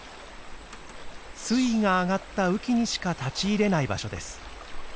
水位が上がった雨季にしか立ち入れない場所です。